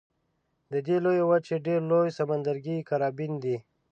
د دې لویې وچې ډېر لوی سمندرګی کارابین دی.